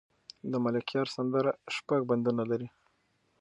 د ملکیار سندره شپږ بندونه لري.